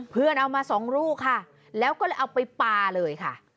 เพื่อนเอามาสองลูกค่ะแล้วก็เลยเอาไปป่าเลยค่ะ